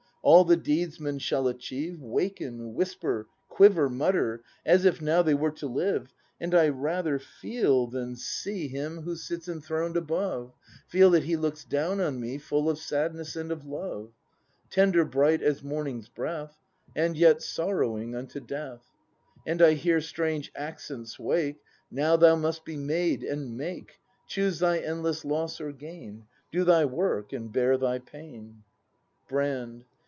All the deeds men shall achieve, Waken, whisper, quiver, mutter. As if now they were to live; And I rather feel than see 82 BRAND [act ii Him who sits enthroned above, Feel that He looks down on me Full of sadness and of love. Tender bright as morning's breath. And yet sorrowing unto death: And I hear strange accents wake: "Now thou must be made, and make; Choose thy endless loss or gain! — Do thy work and bear thy pain!" Brand.